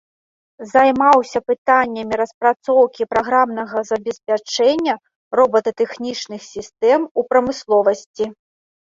Займаўся пытаннямі распрацоўкі праграмнага забеспячэння робататэхнічных сістэм у прамысловасці.